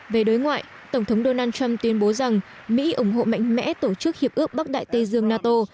về đối ngoại tổng thống donald trump tuyên bố rằng mỹ ủng hộ mạnh mẽ tổ chức hiệp ước bắc đại tây dương nato